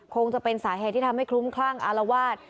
คงจะเป็นสาเหตุที่ทำให้คลุ้มคลั่งอารวาส